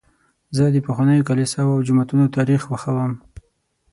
زه د پخوانیو کلیساوو او جوماتونو تاریخ خوښوم.